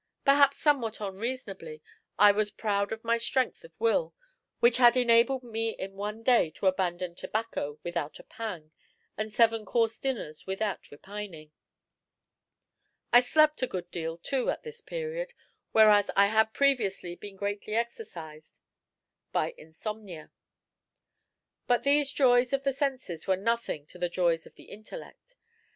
Perhaps somewhat unreasonably, I was proud of my strength of will, which had enabled me in one day to abandon tobacco without a pang, and seven course dinners without repining. I slept a good deal, too, at this period, whereas I had previously been greatly exercised by insomnia. But these joys of the senses were as nothing to the joys of the intellect.